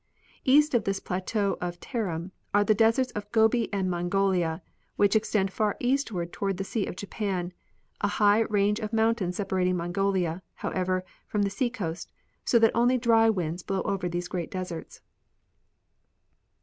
East of this plateau of Tarim are the deserts of Gobi and Mongolia, which extend far eastward toward the sea of Japan, a high range of mountains separating Mongolia, however, from the sea coast, so that only dry winds blow over these great deserts.